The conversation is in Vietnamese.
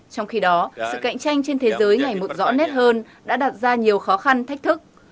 trong khi đó sự cạnh tranh trên thế giới ngày một rõ nét hơn đã đặt ra nhiều khó khăn thách thức